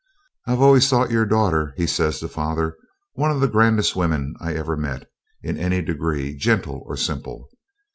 'I have always thought your daughter,' he says to father, 'one of the grandest women I ever met, in any degree, gentle or simple.